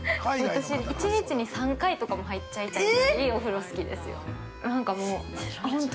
◆私、１日に３回とかも入っちゃいたいぐらいお風呂好きですよ。